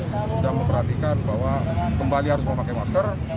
sudah memperhatikan bahwa kembali harus memakai masker